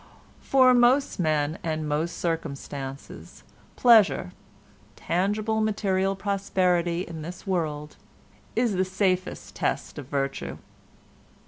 For most men, and most circumstances, pleasure—tangible material prosperity in this world—is the safest test of virtue.